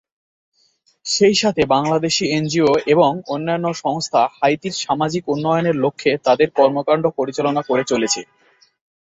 সেইসাথে বাংলাদেশি এনজিও এবং অন্যান্য সংস্থাও হাইতির সামাজিক উন্নয়নের লক্ষ্যে তাদের কর্মকাণ্ড পরিচালনা করে চলেছে।